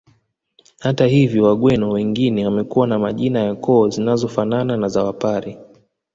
Hata hivyo wagweno wengine wamekuwa na majina ya koo zinazofanana na za wapare